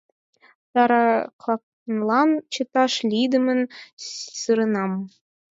Тараканлан чыташ лийдымын сыренам.